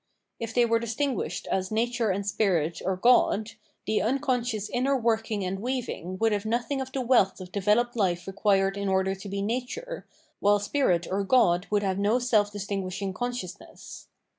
If they were distinguished as Nature and Spirit or God, the unconscious inner working and weaving would have nothing of the wealth of developed life required in order to be nature, while Spirit or God would have no self distinguishing consciousness.